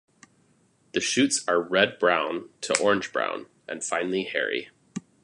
The shoots are red-brown to orange-brown, and finely hairy.